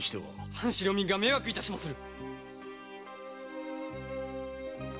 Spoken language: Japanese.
藩士領民が迷惑いたしまする！